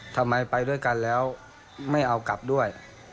ไปด้วยกันแล้วไม่เอากลับด้วย